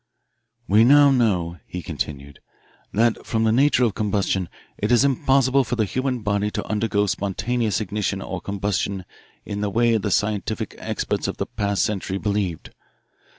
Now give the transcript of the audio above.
"We now know," he continued, "that from the nature of combustion it is impossible for the human body to undergo spontaneous ignition or combustion in the way the scientific experts of the past century believed.